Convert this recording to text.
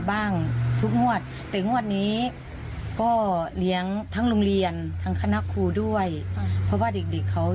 หมูกะทะทั้งโรงเรียนเลยค่ะค่ะแล้วก็เห็นเด็กโวยพรบอกว่า